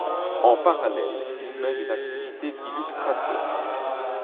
En parallèle, il mène une activité d'illustrateur.